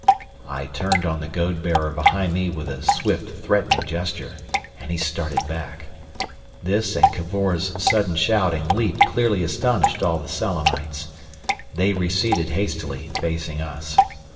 I turned on the goad bearer behind me with a swift threatening gesture, and he started back. This and Cavor's sudden shout and leap clearly astonished all the Selenites. They receded hastily, facing us.